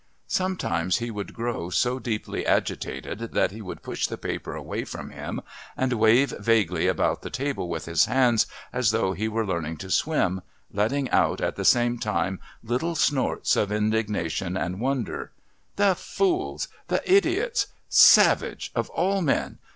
Sometimes he would grow so deeply agitated that he would push the paper away from him and wave vaguely about the table with his hands as though he were learning to swim, letting out at the same time little snorts of indignation and wonder: "The fools! The idiots! Savage, of all men!